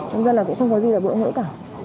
hôm nay là cũng không có gì là bỡ ngỡ cả